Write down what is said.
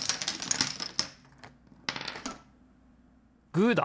グーだ！